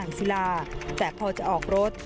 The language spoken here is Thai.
อังศิลาและพอจะออกรถ